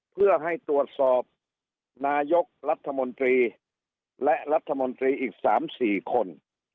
เพื่อให้ตรวจสอบนายกรัฐมนตรีและรัฐมนตรีอีก๓๔คน